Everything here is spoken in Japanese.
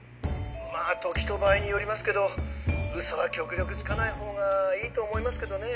まあ時と場合によりますけどウソは極力つかないほうがいいと思いますけどねぇ。